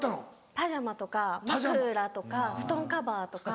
パジャマとか枕とか布団カバーとか。